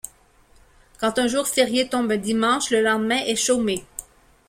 Quand un jour férié tombe un dimanche, le lendemain est chômé.